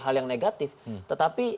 hal yang negatif tetapi